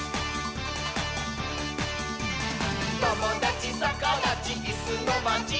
「ともだちさかだちいすのまち」